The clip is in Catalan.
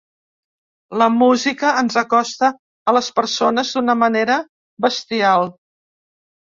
La música ens acosta a les persones d’una manera bestial.